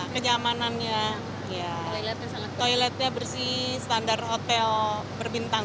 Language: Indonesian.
kenyamanannya toiletnya bersih standar hotel berbintang